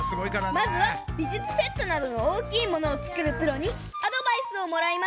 まずは美術セットなどのおおきいものをつくるプロにアドバイスをもらいます